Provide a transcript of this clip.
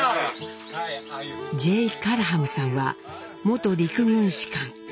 ジェイ・カラハムさんは元陸軍士官。